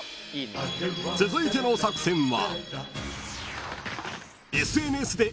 ［続いての作戦は］